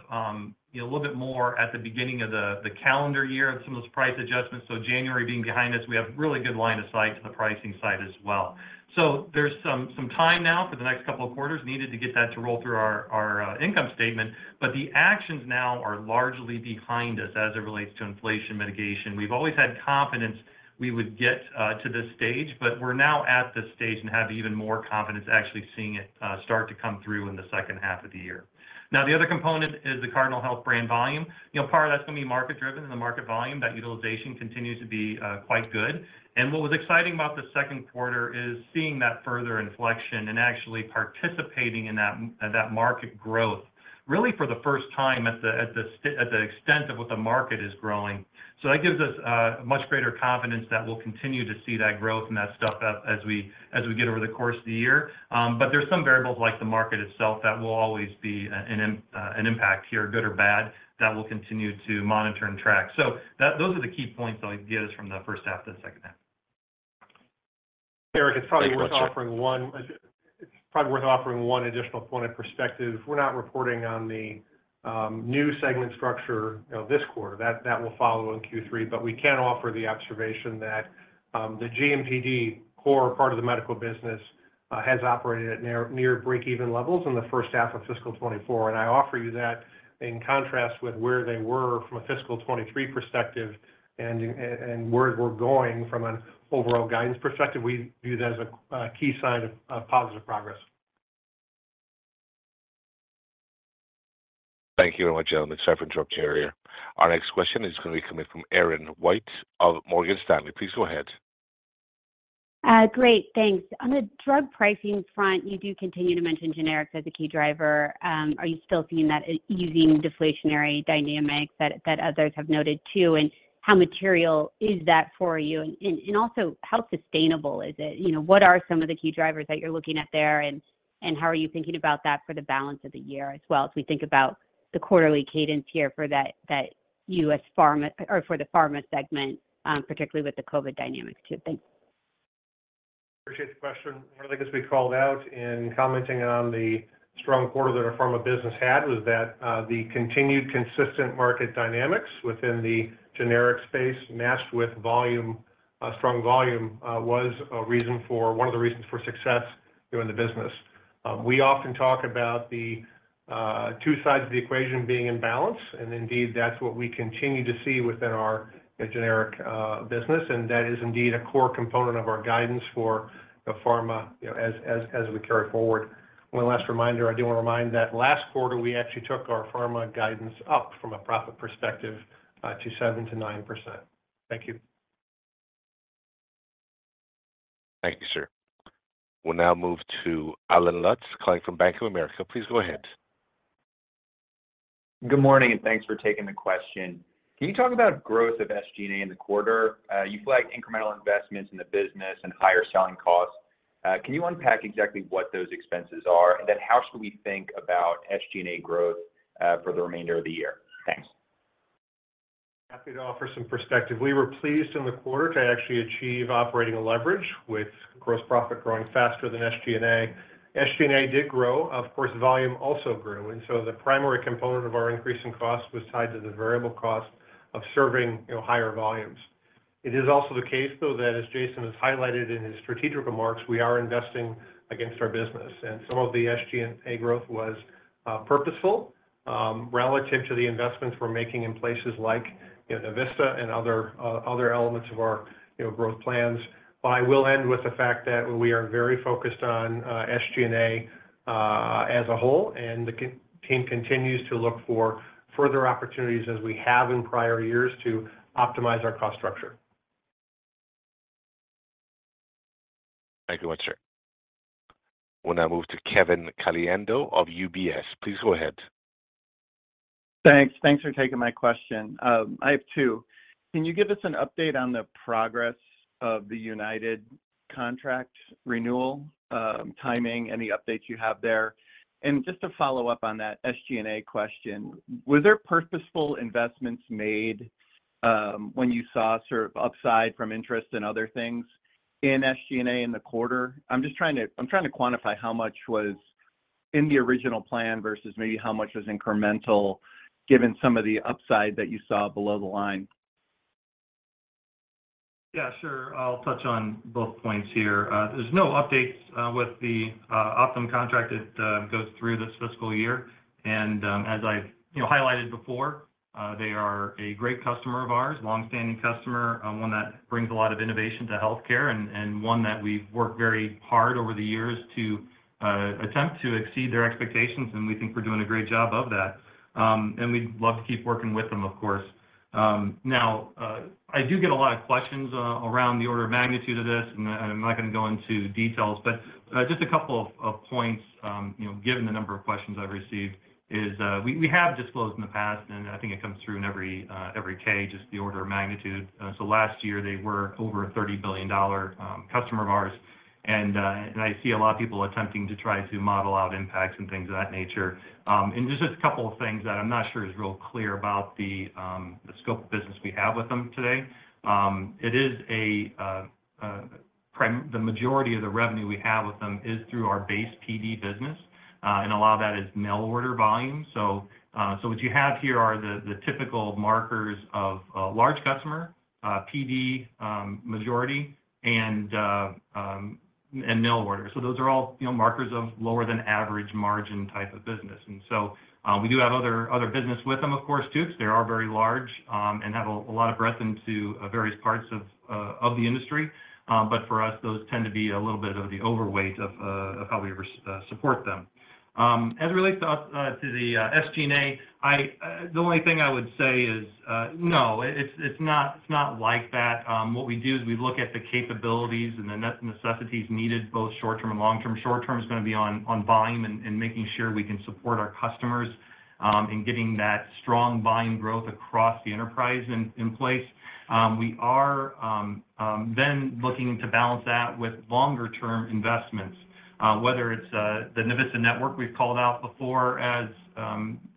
you know, a little bit more at the beginning of the calendar year of some of those price adjustments. So January being behind us, we have really good line of sight to the pricing side as well. So there's some, some time now for the next couple of quarters needed to get that to roll through our, our, income statement, but the actions now are largely behind us as it relates to inflation mitigation. We've always had confidence we would get to this stage, but we're now at this stage and have even more confidence, actually seeing it start to come through in the second half of the year. Now, the other component is the Cardinal Health brand volume. You know, part of that's going to be market driven and the market volume, that utilization continues to be quite good. What was exciting about the second quarter is seeing that further inflection and actually participating in that market growth, really for the first time at the extent of what the market is growing. So that gives us much greater confidence that we'll continue to see that growth and that step up as we get over the course of the year. But there's some variables like the market itself that will always be an impact here, good or bad, that we'll continue to monitor and track. So those are the key points that I can get us from the first half to the second half. Eric, it's probably worth offering one additional point of perspective. We're not reporting on the new segment structure, you know, this quarter. That will follow in Q3, but we can offer the observation that the GMPD core part of the medical business has operated at near breakeven levels in the first half of fiscal 2024. And I offer you that in contrast with where they were from a fiscal 2023 perspective and where we're going from an overall guidance perspective. We view that as a key sign of positive progress. Thank you very much, gentlemen. Stefan, Operator. Our next question is going to be coming from Erin Wright of Morgan Stanley. Please go ahead. Great, thanks. On the drug pricing front, you do continue to mention generics as a key driver. Are you still seeing that easing deflationary dynamics that others have noted too? And how material is that for you? And also, how sustainable is it? You know, what are some of the key drivers that you're looking at there, and how are you thinking about that for the balance of the year as well, as we think about the quarterly cadence here for that U.S. pharma or for the pharma segment, particularly with the COVID dynamics, too? Thanks. Appreciate the question. One of the things we called out in commenting on the strong quarter that our pharma business had was that, the continued consistent market dynamics within the generic space, matched with volume, strong volume, was a reason for-- one of the reasons for success during the business. We often talk about the, two sides of the equation being in balance, and indeed, that's what we continue to see within our generic, business. And that is indeed a core component of our guidance for the pharma, you know, as we carry forward. One last reminder, I do want to remind that last quarter, we actually took our pharma guidance up from a profit perspective, to 7%-9%. Thank you. Thank you, sir. We'll now move to Allen Lutz, calling from Bank of America. Please go ahead. Good morning, and thanks for taking the question. Can you talk about growth of SG&A in the quarter? You flagged incremental investments in the business and higher selling costs. Can you unpack exactly what those expenses are? And then how should we think about SG&A growth, for the remainder of the year? Thanks. Happy to offer some perspective. We were pleased in the quarter to actually achieve operating leverage, with gross profit growing faster than SG&A. SG&A did grow. Of course, volume also grew, and so the primary component of our increase in cost was tied to the variable cost of serving, you know, higher volumes. It is also the case, though, that as Jason has highlighted in his strategic remarks, we are investing against our business, and some of the SG&A growth was purposeful relative to the investments we're making in places like, you know, the Navista and other elements of our, you know, growth plans. But I will end with the fact that we are very focused on SG&A as a whole, and the team continues to look for further opportunities, as we have in prior years, to optimize our cost structure. Thank you once, sir. We'll now move to Kevin Caliendo of UBS. Please go ahead.... Thanks. Thanks for taking my question. I have two. Can you give us an update on the progress of the United contract renewal, timing, any updates you have there? And just to follow up on that SG&A question, were there purposeful investments made, when you saw sort of upside from interest and other things in SG&A in the quarter? I'm just trying to quantify how much was in the original plan versus maybe how much was incremental, given some of the upside that you saw below the line. Yeah, sure. I'll touch on both points here. There's no updates with the Optum contract. It goes through this fiscal year, and as I've, you know, highlighted before, they are a great customer of ours, longstanding customer, one that brings a lot of innovation to healthcare and one that we've worked very hard over the years to attempt to exceed their expectations, and we think we're doing a great job of that. We'd love to keep working with them, of course. Now, I do get a lot of questions around the order of magnitude of this, and I'm not gonna go into details, but just a couple of points, you know, given the number of questions I've received is... We have disclosed in the past, and I think it comes through in every K, just the order of magnitude. So last year they were over a $30 billion customer of ours, and I see a lot of people attempting to try to model out impacts and things of that nature. And just a couple of things that I'm not sure is real clear about the scope of business we have with them today. It is the majority of the revenue we have with them is through our base PD business, and a lot of that is mail order volume. So what you have here are the typical markers of a large customer, PD, majority, and mail order. So those are all, you know, markers of lower than average margin type of business. And so, we do have other business with them, of course, too, because they are very large, and have a lot of breadth into various parts of the industry. But for us, those tend to be a little bit of the overweight of how we support them. As it relates to the SG&A, the only thing I would say is, no, it's not like that. What we do is we look at the capabilities and the necessities needed, both short-term and long-term. Short-term is gonna be on volume and making sure we can support our customers in getting that strong volume growth across the enterprise in place. We are then looking to balance that with longer-term investments, whether it's the Navista Network we've called out before as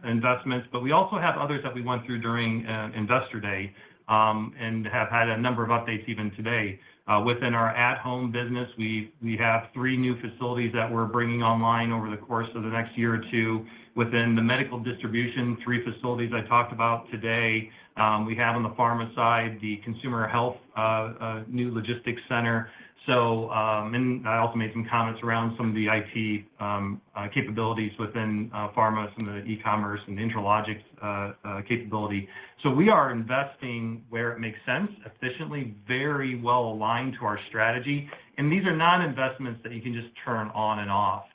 investments, but we also have others that we went through during Investor Day, and have had a number of updates even today. Within our at-home business, we have three new facilities that we're bringing online over the course of the next year or two. Within the medical distribution, three facilities I talked about today, we have on the pharma side, the consumer health new logistics center. So, and I also made some comments around some of the IT capabilities within pharma, some of the e-commerce and InteLogix capability. So we are investing where it makes sense, efficiently, very well aligned to our strategy, and these are not investments that you can just turn on and off.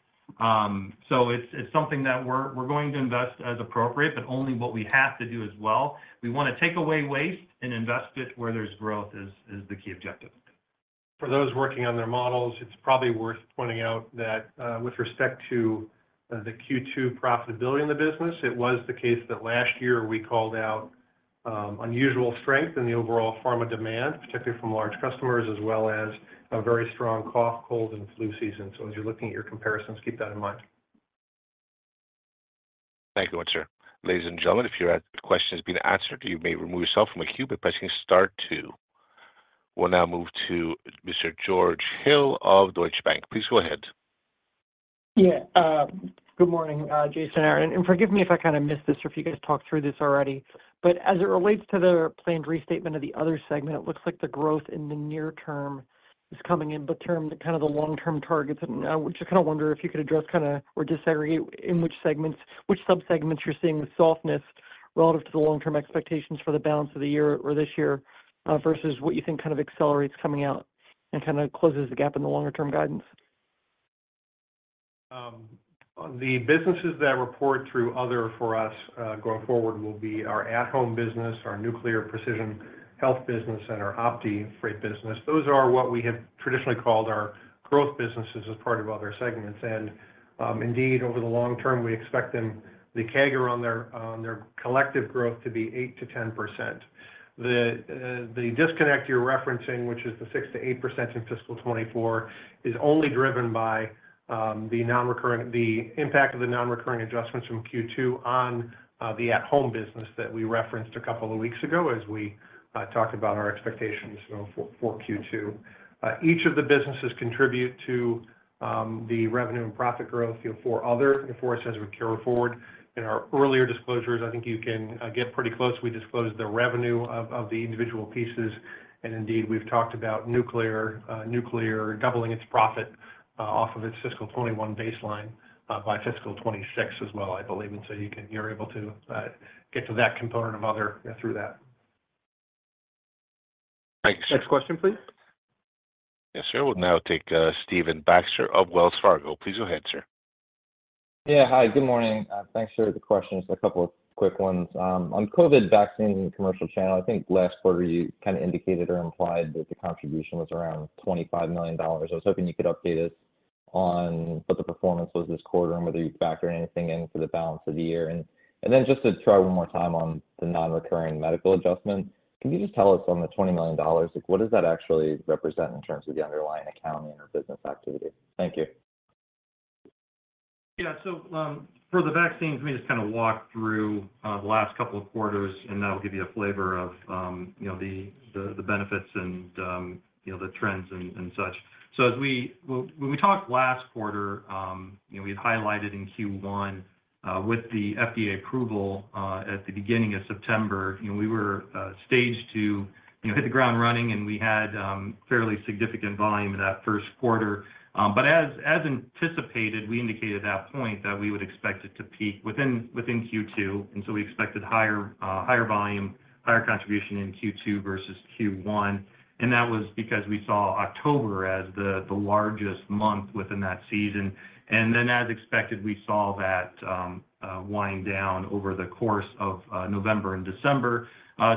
So it's something that we're going to invest as appropriate, but only what we have to do as well. We wanna take away waste and invest it where there's growth, is the key objective. For those working on their models, it's probably worth pointing out that, with respect to, the Q2 profitability in the business, it was the case that last year we called out, unusual strength in the overall pharma demand, particularly from large customers, as well as a very strong cough, cold, and flu season. So as you're looking at your comparisons, keep that in mind. Thank you, sir. Ladies and gentlemen, if your question has been answered, you may remove yourself from the queue by pressing star two. We'll now move to Mr. George Hill of Deutsche Bank. Please go ahead. Yeah. Good morning, Jason, and forgive me if I kind of missed this, or if you guys talked through this already. But as it relates to the planned restatement of the other segment, it looks like the growth in the near term is coming in, but term, kind of the long-term targets, and we just kind of wonder if you could address kind of, or disaggregate in which segments—which subsegments you're seeing the softness relative to the long-term expectations for the balance of the year or this year, versus what you think kind of accelerates coming out and kind of closes the gap in the longer term guidance. The businesses that report through other for us, going forward will be our at-home business, our nuclear and precision health business, and our OptiFreight business. Those are what we have traditionally called our growth businesses as part of other segments. And, indeed, over the long term, we expect them, the CAGR on their, on their collective growth to be 8%-10%. The disconnect you're referencing, which is the 6%-8% in fiscal 2024, is only driven by, the non-recurring, the impact of the non-recurring adjustments from Q2 on, the at-home business that we referenced a couple of weeks ago as we talked about our expectations for Q2. Each of the businesses contribute to the revenue and profit growth, you know, for other, and for us as we carry forward. In our earlier disclosures, I think you can get pretty close. We disclosed the revenue of, of the individual pieces, and indeed, we've talked about nuclear, nuclear doubling its profit, off of its fiscal 2021 baseline, by fiscal 2026 as well, I believe. And so you can... You're able to get to that component of other, through that. Thanks. Next question, please. Yes, sir. We'll now take Stephen Baxter of Wells Fargo. Please go ahead, sir. Yeah. Hi, good morning. Thanks, sir. The question, just a couple of quick ones. On COVID vaccines in the commercial channel, I think last quarter you kind of indicated or implied that the contribution was around $25 million. I was hoping you could update us. on what the performance was this quarter, and whether you're factoring anything in for the balance of the year. And, and then just to try one more time on the non-recurring medical adjustments, can you just tell us on the $20 million, like, what does that actually represent in terms of the underlying accounting or business activity? Thank you. Yeah. So, for the vaccines, let me just kind of walk through the last couple of quarters, and that will give you a flavor of, you know, the benefits and, you know, the trends and such. So when we talked last quarter, you know, we had highlighted in Q1, with the FDA approval, at the beginning of September, you know, we were stage two, you know, hit the ground running, and we had fairly significant volume in that first quarter. But as anticipated, we indicated at that point that we would expect it to peak within Q2, and so we expected higher volume, higher contribution in Q2 versus Q1, and that was because we saw October as the largest month within that season. And then, as expected, we saw that wind down over the course of November and December.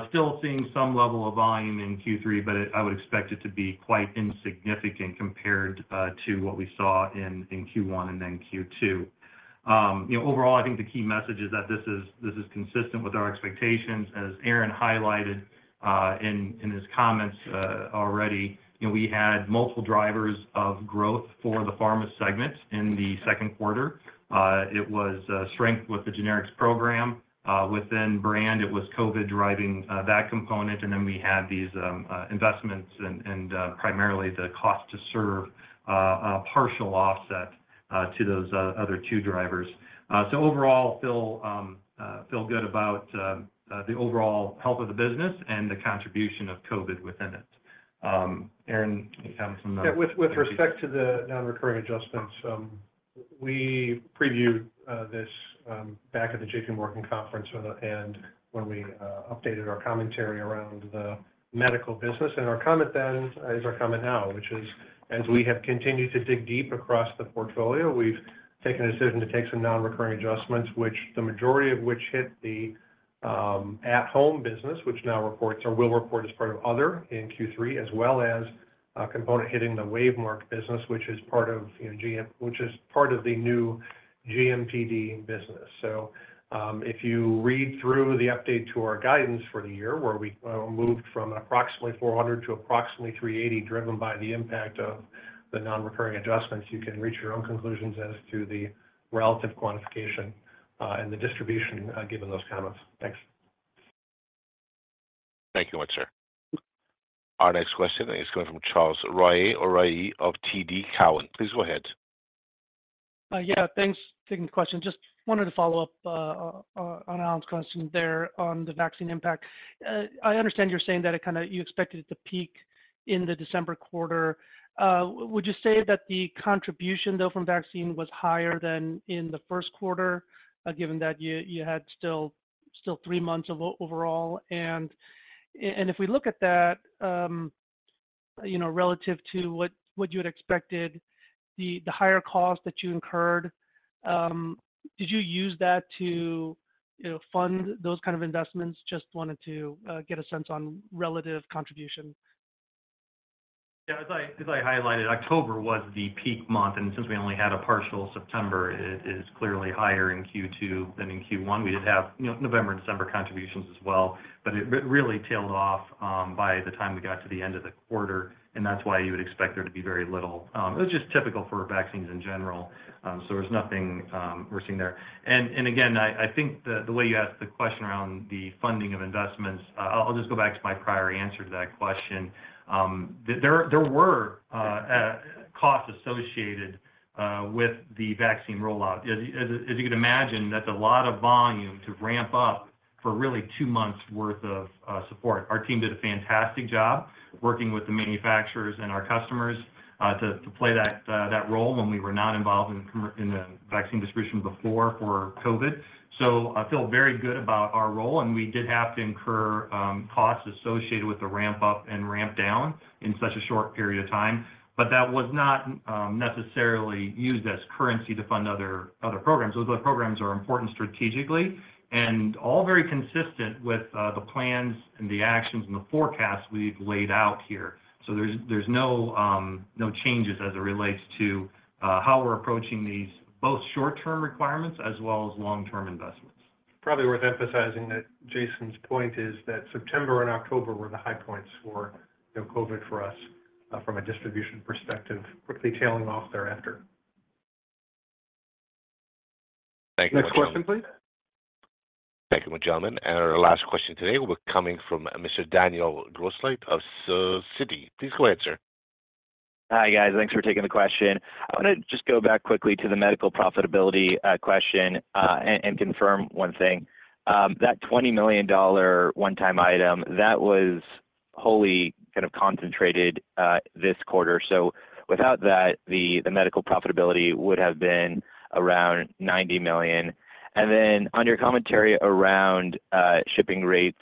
Still seeing some level of volume in Q3, but I would expect it to be quite insignificant compared to what we saw in Q1 and then Q2. You know, overall, I think the key message is that this is consistent with our expectations. As Aaron highlighted in his comments already, you know, we had multiple drivers of growth for the pharma segment in the second quarter. It was strength with the generics program. Within brand, it was COVID driving that component, and then we had these investments and primarily the cost to serve, a partial offset to those other two drivers. So overall, feel good about the overall health of the business and the contribution of COVID within it. Aaron, any comments from the- Yeah, with respect to the non-recurring adjustments, we previewed this back at the JP Morgan conference when we updated our commentary around the medical business. And our comment then is our comment now, which is, as we have continued to dig deep across the portfolio, we've taken a decision to take some non-recurring adjustments, which the majority of which hit the at-home business, which now reports or will report as part of other in Q3, as well as a component hitting the WaveMark business, which is part of, you know, which is part of the new GMPD business. So, if you read through the update to our guidance for the year, where we moved from approximately 400 to approximately 380, driven by the impact of the non-recurring adjustments, you can reach your own conclusions as to the relative quantification and the distribution, given those comments. Thanks. Thank you much, sir. Our next question is coming from Charles Rhyee of TD Cowen. Please go ahead. Yeah, thanks for taking the question. Just wanted to follow up on Allen's question there on the vaccine impact. I understand you're saying that it kind of you expected it to peak in the December quarter. Would you say that the contribution, though, from vaccine was higher than in the first quarter, given that you had still three months of overall? And if we look at that, you know, relative to what you had expected, the higher cost that you incurred, did you use that to, you know, fund those kind of investments? Just wanted to get a sense on relative contribution. Yeah, as I highlighted, October was the peak month, and since we only had a partial September, it is clearly higher in Q2 than in Q1. We did have, you know, November and December contributions as well, but it really tailed off by the time we got to the end of the quarter, and that's why you would expect there to be very little. It was just typical for vaccines in general, so there's nothing we're seeing there. And again, I think the way you asked the question around the funding of investments, I'll just go back to my prior answer to that question. There were costs associated with the vaccine rollout. As you can imagine, that's a lot of volume to ramp up for really 2 months' worth of support. Our team did a fantastic job working with the manufacturers and our customers, to play that role when we were not involved in the vaccine distribution before for COVID. So I feel very good about our role, and we did have to incur costs associated with the ramp-up and ramp-down in such a short period of time, but that was not necessarily used as currency to fund other programs. Those programs are important strategically and all very consistent with the plans and the actions and the forecasts we've laid out here. So there's no changes as it relates to how we're approaching these, both short-term requirements as well as long-term investments. Probably worth emphasizing that Jason's point is that September and October were the high points for, you know, COVID for us, from a distribution perspective, quickly tailing off thereafter. Thank you much- Next question, please. Thank you, gentlemen. Our last question today will be coming from Mr. Daniel Grosslight of Citi. Please go ahead, sir. Hi, guys. Thanks for taking the question. I wanna just go back quickly to the medical profitability question and confirm one thing. That $20 million one-time item, that was wholly kind of concentrated this quarter. So without that, the medical profitability would have been around $90 million. And then on your commentary around shipping rates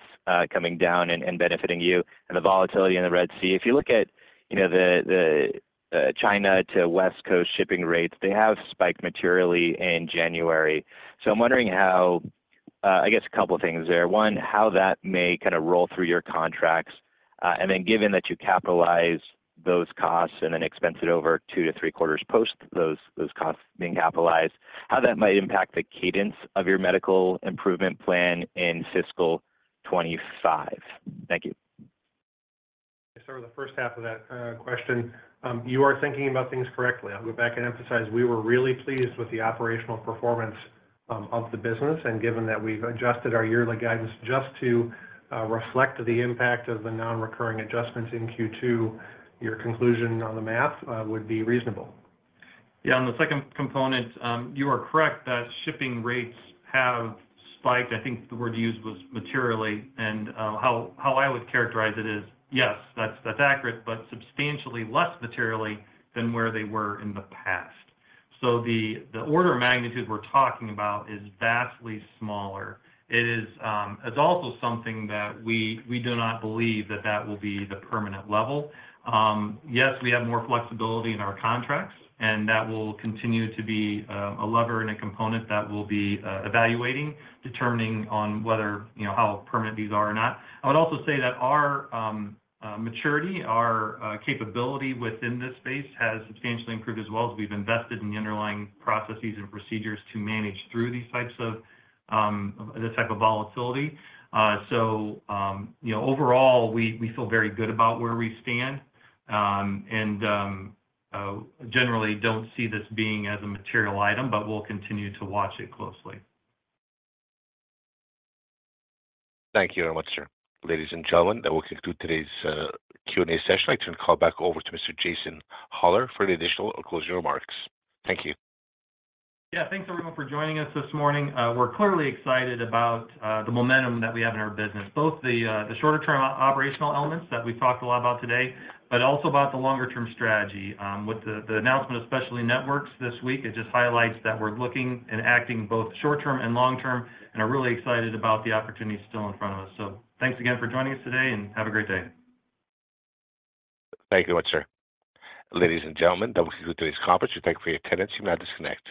coming down and benefiting you and the volatility in the Red Sea, if you look at, you know, the China to West Coast shipping rates, they have spiked materially in January. So I'm wondering how I guess a couple of things there. One, how that may kind of roll through your contracts, and then given that you capitalize those costs and then expense it over 2-3 quarters post those costs being capitalized, how that might impact the cadence of your Medical Improvement Plan in fiscal 2025? Thank you. So the first half of that, question, you are thinking about things correctly. I'll go back and emphasize, we were really pleased with the operational performance, of the business, and given that we've adjusted our yearly guidance just to, reflect the impact of the non-recurring adjustments in Q2, your conclusion on the math, would be reasonable. Yeah, on the second component, you are correct that shipping rates have spiked. I think the word used was materially, and, how, how I would characterize it is, yes, that's, that's accurate, but substantially less materially than where they were in the past. So the order of magnitude we're talking about is vastly smaller. It is, it's also something that we do not believe that that will be the permanent level. Yes, we have more flexibility in our contracts, and that will continue to be a lever and a component that we'll be evaluating, determining on whether, you know, how permanent these are or not. I would also say that our maturity, our capability within this space has substantially improved as well, as we've invested in the underlying processes and procedures to manage through these types of this type of volatility. So, you know, overall, we feel very good about where we stand. And generally, don't see this being as a material item, but we'll continue to watch it closely. Thank you very much, sir. Ladies and gentlemen, that will conclude today's Q&A session. I turn the call back over to Mr. Jason Hollar for any additional closing remarks. Thank you. Yeah, thanks, everyone, for joining us this morning. We're clearly excited about the momentum that we have in our business. Both the shorter term operational elements that we've talked a lot about today, but also about the longer term strategy. With the announcement of Specialty Networks this week, it just highlights that we're looking and acting both short term and long term, and are really excited about the opportunities still in front of us. So thanks again for joining us today, and have a great day. Thank you very much, sir. Ladies and gentlemen, that will conclude today's conference. We thank you for your attendance. You may now disconnect.